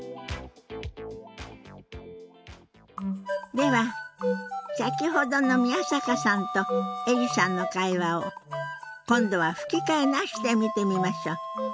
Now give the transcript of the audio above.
では先ほどの宮坂さんとエリさんの会話を今度は吹き替えなしで見てみましょう。